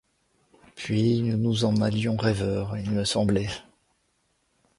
Puis nous nous en allions rêveurs. Il me semblait